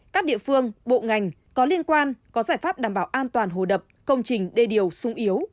các địa phương bộ ngành có liên quan có giải pháp đảm bảo an toàn hồ đập công trình đê điều sung yếu